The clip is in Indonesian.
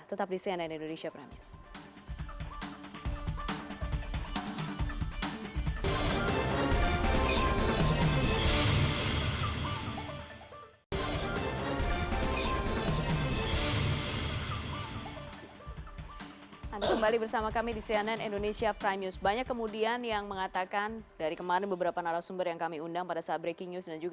tetap di cnn indonesia prime news